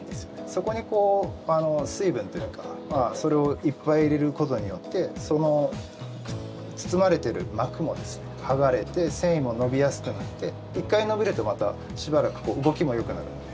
そこに水分というか、それをいっぱい入れることによってその包まれている膜も剥がれて繊維も伸びやすくなって一回伸びると、またしばらく動きもよくなるので。